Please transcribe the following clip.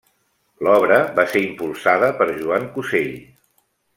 L’obra va ser impulsada per Joan Cusell.